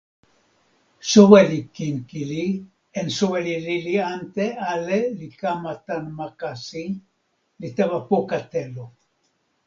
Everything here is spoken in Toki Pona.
soweli Kinkili en soweli lili ante ale li kama tan ma kasi, li tawa poka telo.